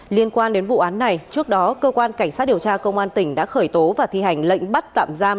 liên quan đến vụ án này trước đó cơ quan cảnh sát điều tra công an tỉnh đã khởi tố và thi hành lệnh bắt tạm giam